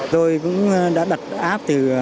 tôi cũng đã đặt áp từ